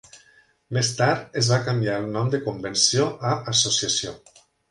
Més tard es va canviar el nom de 'Convenció' a 'Associació'.